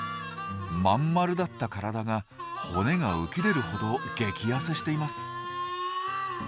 まんまるだった体が骨が浮き出るほど激ヤセしています。